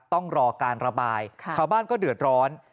ต้องรอการระบายชาวบ้านก็เดือดร้อน